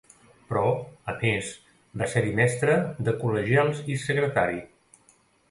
Però, a més, va ser-hi mestre de col·legials i secretari.